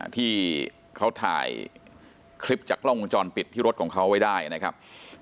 ที่เขาถ่ายคลิปจากกล้องวงจรปิดที่รถของเขาไว้ได้นะครับ